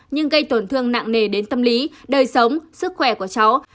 nhưng gây tổn thương nặng nề đến tâm lý đời sống sức khỏe của cháu